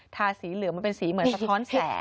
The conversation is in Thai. ทาสีเหลืองมันเป็นสีเหมือนสะท้อนแผล